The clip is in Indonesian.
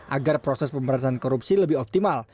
agar proses pemberantasan korupsi lebih optimal